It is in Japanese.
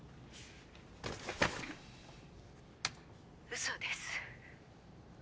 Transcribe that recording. うそです。